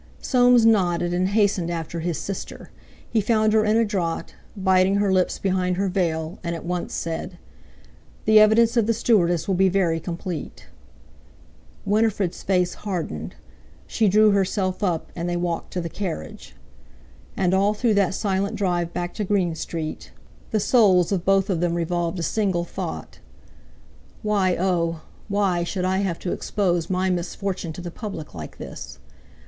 Soames nodded and hastened after his sister. He found her in a draught, biting her lips behind her veil, and at once said: "The evidence of the stewardess will be very complete." Winifred's face hardened; she drew herself up, and they walked to the carriage. And, all through that silent drive back to Green Street, the souls of both of them revolved a single thought: "Why, oh! why should I have to expose my misfortune to the public like this?